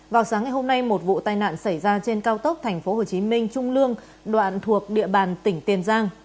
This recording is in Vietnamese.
vào sáng ngày hôm nay một vụ tai nạn xảy ra trên cao tốc tp hồ chí minh trung lương đoạn thuộc địa bàn tỉnh tiền giang